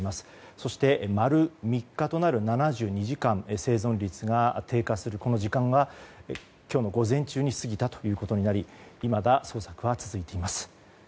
そして丸３日となる７２時間生存率が低下する時間が今日の午前中に過ぎたということになりいまだ捜索は続いています。